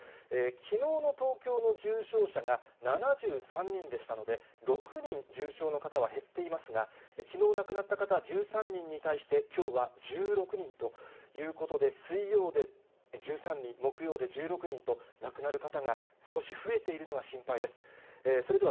きのうの東京の重症者が７３人でしたので、６人、重症の方は減っていますが、きのう亡くなった方は１３人に対して、きょうは１６人ということで、水曜で１３人、木曜で１６人と、亡くなる方が少し増えているのが心配です。